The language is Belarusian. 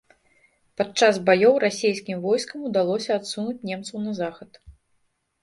Падчас баёў расейскім войскам удалося адсунуць немцаў на захад.